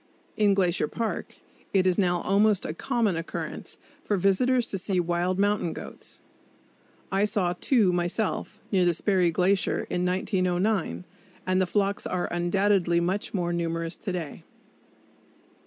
In Glacier Park it is now almost a common occurrence for visitors to see wild mountain goats. I saw two myself, near the Sperry Glacier, in 1909, and the flocks are undoubtedly much more numerous to day.